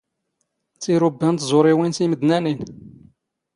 ⵜⵉⵔⵓⴱⴱⴰ ⵏ ⵜⵥⵓⵕⵉⵡⵉⵏ ⵜⵉⵎⴷⵏⴰⵏⵉⵏ.